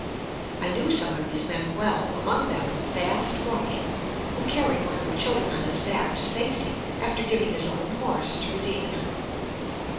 I knew some of these men well; among them Fast Walking, who carried one of the children on his back to safety, after giving his own horse to redeem him.